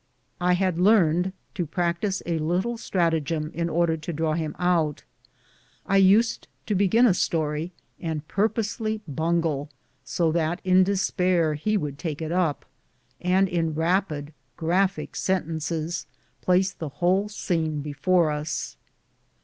I had learned to practise a little stratagem in order to draw him out. I used to begin a story and purposely bungle, so that, in despair, he would take it up, and in rapid graphic sentences place the whole scene before us.